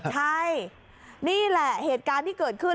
ใช่นี่แหละเหตุการณ์ที่เกิดขึ้น